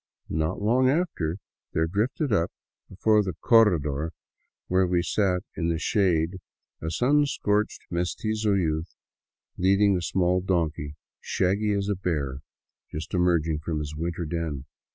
Not long after there drifted up before the corredor where we sat in the shade a sun scorched mestizo youth leading a small donkey, shaggy as a bear just emerging from his winter's den.